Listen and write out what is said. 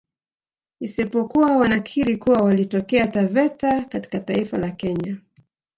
Isipokuwa wanakiri kuwa walitokea Taveta katika taifa la Kenya